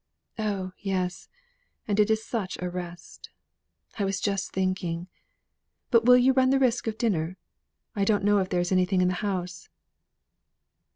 "Oh yes! and it is such a rest. I was just thinking But will you run the risk of dinner? I don't know if there is anything in the house."